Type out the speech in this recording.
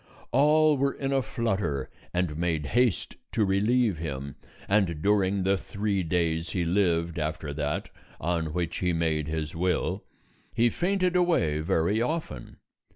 All were in a flutter and made haste to relieve him, and during the three days he lived after that on which he made his will, he fainted away very often.